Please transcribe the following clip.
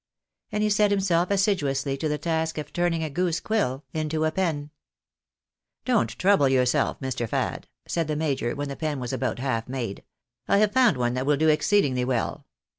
And he set himself assiduously to the task of turning a goose quill into a pen. " Don't trouble yourself, Mr. Fad," said the major, when the pen was about half made, " I have found one that will do exceed ingly well.